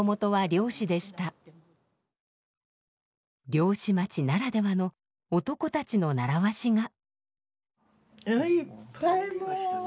漁師町ならではの男たちの習わしが。